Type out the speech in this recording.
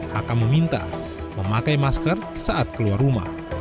hk meminta memakai masker saat keluar rumah